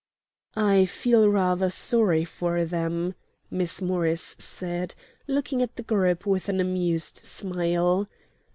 "I feel rather sorry for them," Miss Morris said, looking at the group with an amused smile.